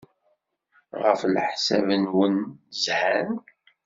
Ɣef leḥsab-nwen, zhan?